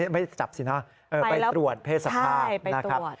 ไม่จับสินะไปตรวจเพศสภาพนะครับ